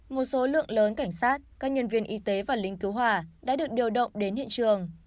một số lượng lớn cảnh sát các nhân viên y tế và lính cứu hỏa đã được điều động đến hiện trường